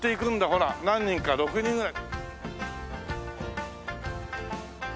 ほら何人か６人ぐらい。